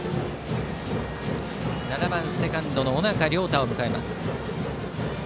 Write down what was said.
７番セカンドの尾中亮太を迎えます。